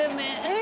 え。